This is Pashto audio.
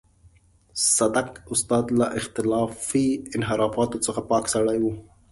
صدک استاد له اخلاقي انحرافاتو څخه پاک سړی و.